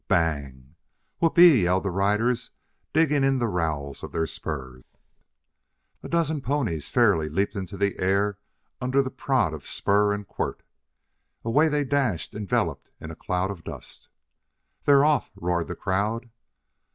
Bang! "Whoop e e e!" yelled the riders, digging in the rowels of their spurs. A dozen ponies fairly leaped into the air under the prod of spur and quirt. Away they dashed enveloped in a cloud of dust. "They're off!" roared the crowd.